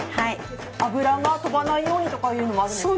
油が飛ばないようにとかもあるんですか。